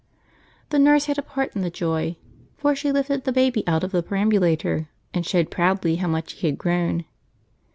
The nurse had a part in the joy, for she lifted the baby out of the perambulator and showed proudly how much he had grown.